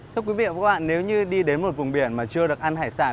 thưa quý vị và các bạn nếu như đi đến một vùng biển mà chưa được ăn hải sản